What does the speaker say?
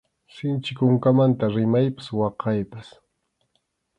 Sinchi kunkamanta rimaypas waqaypas.